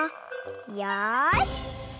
よし。